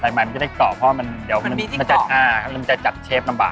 แต่มันไม่ได้กร่อกเพราะเดี๋ยวมันจะจัดอ่ามันจะจัดเชฟลำบาก